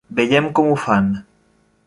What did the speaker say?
Veiem com ho fan.